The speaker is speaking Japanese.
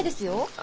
あ。